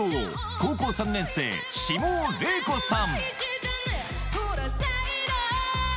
高校３年生下尾礼子さん